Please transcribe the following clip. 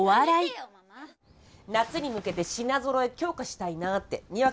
夏に向けて品ぞろえ強化したいなって。